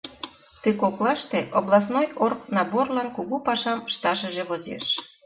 Ты коклаште областной оргнаборлан кугу пашам ышташыже возеш.